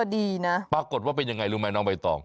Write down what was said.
ดีนะปรากฏว่าเป็นยังไงรู้ไหมน้องใบตอง